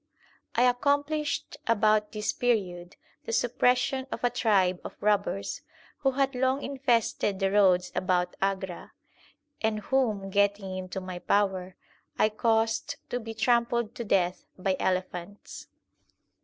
* I accomplished about this period the suppression of a tribe of robbers, who had long infested the roads about Agra ; and whom, getting into my power, I caused to be trampled to death by elephants.